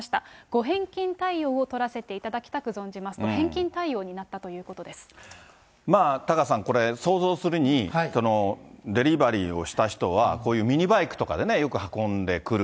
ご返金対応を取らせていただきたく存じますと、返金対応になったタカさん、これ想像するに、デリバリーをした人は、こういうミニバイクとかでよく運んでくる。